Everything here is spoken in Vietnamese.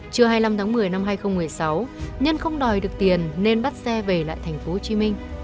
trưa hai mươi năm tháng một mươi năm hai nghìn một mươi sáu nhân không đòi được tiền nên bắt xe về lại tp hcm